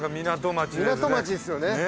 港町ですよね。